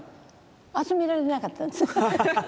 集められなかったんです。